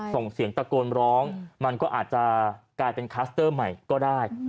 ส่งเสียงตะโกนร้องมันก็อาจจะกลายเป็นคลัสเตอร์ใหม่ก็ได้